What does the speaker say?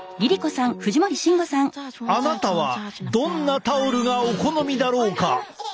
あなたはどんなタオルがお好みだろうか？